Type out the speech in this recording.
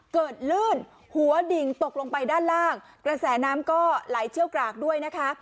ลื่นหัวดิ่งตกลงไปด้านล่างกระแสน้ำก็ไหลเชี่ยวกรากด้วยนะคะ